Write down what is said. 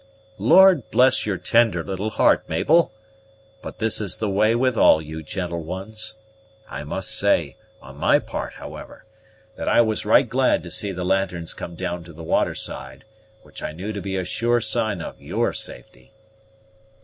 "Lord bless your tender little heart, Mabel! but this is the way with all you gentle ones. I must say, on my part, however, that I was right glad to see the lanterns come down to the waterside, which I knew to be a sure sign of your safety.